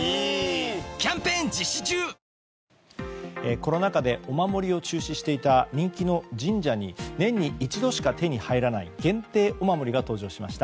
コロナ禍でお守りを中止していた人気の神社に年に一度しか手に入らない限定お守りが登場しました。